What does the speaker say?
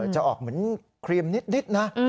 จะออกเหมือนครีมนิดนะ